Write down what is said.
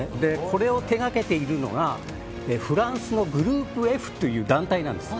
これを手掛けているのがフランスのグループエフという団体なんです。